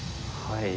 はい。